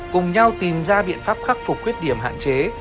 cùng nhau tìm ra biện pháp khắc phục khuyết điểm hạn chế